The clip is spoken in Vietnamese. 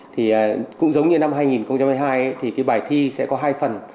thì cũng giống như năm hai nghìn hai mươi hai thì cái bài thi sẽ có hai phần